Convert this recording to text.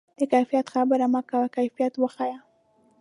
د کیفیت خبرې مه کوه، کیفیت وښیه.